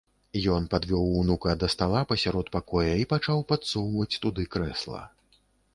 Ён падвёў унука да стала пасярод пакоя і пачаў падсоўваць туды крэсла.